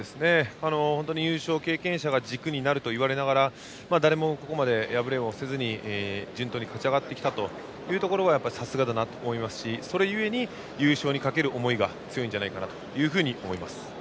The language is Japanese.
本当に優勝経験者が軸になるといわれながら誰もここまで敗れもせずに順当に勝ち上がってきたというところはやっぱりさすがだなと思いますしそれゆえに優勝にかける思いが強いと思います。